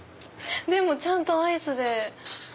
ちゃんとアイスで。